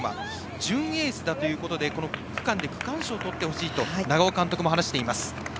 準エースだということでこの区間で区間賞をとってほしいと長尾監督も話しています。